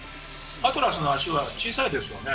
アトラスの足は小さいですよね。